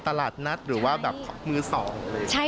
มีตลาดนัดหรือว่าแบบมือสองเลย